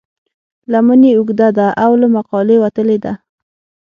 لمن یې اوږده ده او له مقالې وتلې ده.